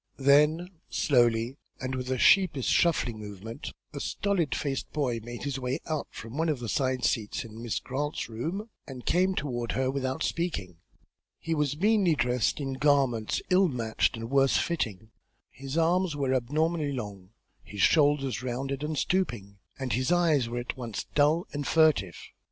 Then, slowly, and with a sheepish shuffling movement, a stolid faced boy made his way out from one of the side seats in Miss Grant's room, and came toward her without speaking. He was meanly dressed in garments ill matched and worse fitting; his arms were abnormally long, his shoulders rounded and stooping, and his eyes were at once dull and furtive.